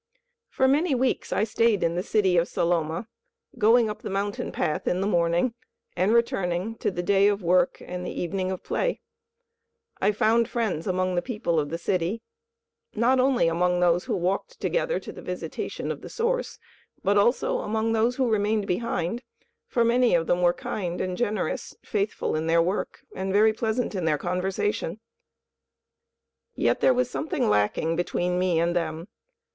For many weeks I stayed in the city of Saloma, going up the mountain path in the morning, and returning to the day of work and the evening of play. I found friends among the people of the city, not only among those who walked together in the visitation of the Source, but also among those who remained behind, for many of them were kind and generous, faithful in their work, and very pleasant in their conversation. Yet there was something lacking between me and them.